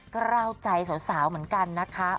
กล้าวใจสาวเหมือนกันนะคะ